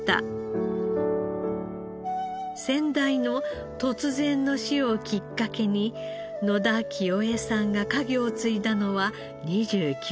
先代の突然の死をきっかけに野田清衛さんが家業を継いだのは２９歳の時。